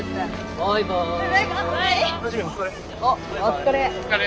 お疲れ。